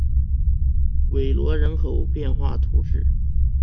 韦罗人口变化图示